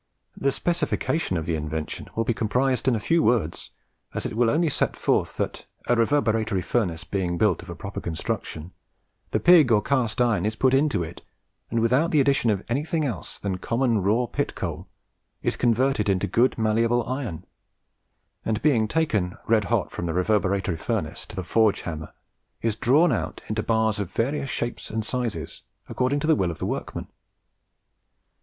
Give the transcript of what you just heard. The specification of the invention will be comprised in a few words, as it will only set forth that a reverberatory furnace being built of a proper construction, the pig or cast iron is put into it, and without the addition of anything else than common raw pit coal, is converted into good malleable iron, and, being taken red hot from the reverberatory furnace to the forge hammer, is drawn out into bars of various shapes and sizes, according to the will of the workmen."